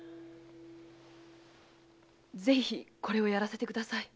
ぜひこれを演らせてください。